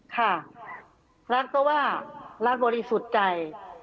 ค่ะรักก็ว่ารักบริสุทธิ์ใจ